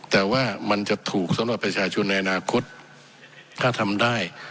แต่ว่ามันจะถูกสำหรับประชาชนในอนาคตถ้าทำได้